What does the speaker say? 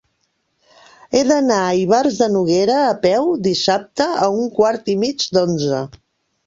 He d'anar a Ivars de Noguera a peu dissabte a un quart i mig d'onze.